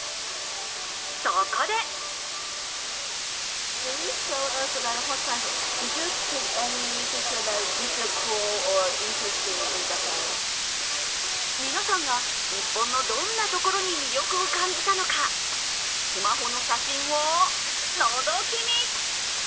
そこで皆さんが日本のどんなところに魅力を感じたのかスマホの写真をのぞき見。